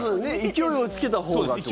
勢いをつけたほうがって。